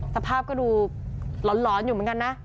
สภาพก็ดูหลอนอยู่เหมือนกันนะ